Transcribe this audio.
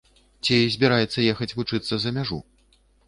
Ці збіраецца ехаць вучыцца за мяжу?